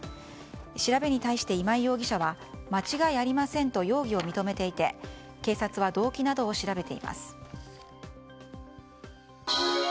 調べに対して今井容疑者は間違いありませんと容疑を認めていて警察は動機などを調べています。